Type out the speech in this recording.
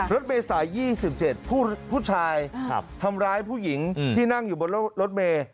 รถเมษาย๒๗ผู้ชายทำร้ายผู้หญิงที่นั่งอยู่บนรถเมย์